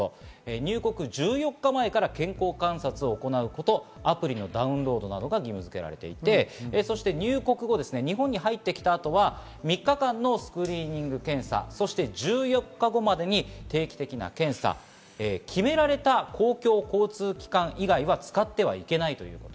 入国１４日前から健康観察を行うこと、アプリのダウンロードなどが義務づけられていて、そして入国後、日本に入って来たあとは、３日間のスクリーニング検査。そして１４日後までに定期的な検査。決められた公共交通機関以外は使ってはいけないということ。